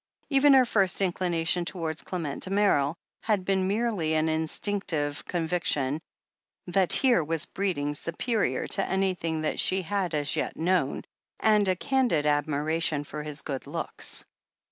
Even her first inclination towards Clement Damerel had been merely an instinc tive conviction that here was breeding superior to any thing that she had as yet known, and a candid admira tion for his good looks.